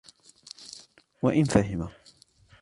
وَإِنْ فَهِمَ